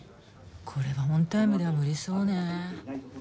これはオンタイムでは無理そうね。